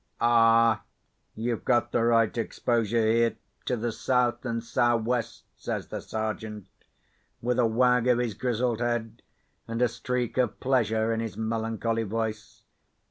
"Ah, you've got the right exposure here to the south and sou' west," says the Sergeant, with a wag of his grizzled head, and a streak of pleasure in his melancholy voice.